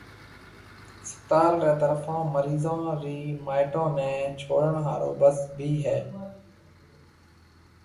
اسپتال رِي طرفون مريضون رَي مائيٽون نيَ ڇوڙڻ ھارو بس ڀِي ھيََََ